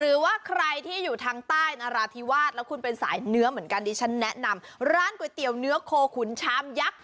หรือว่าใครที่อยู่ทางใต้นราธิวาสแล้วคุณเป็นสายเนื้อเหมือนกันดิฉันแนะนำร้านก๋วยเตี๋ยวเนื้อโคขุนชามยักษ์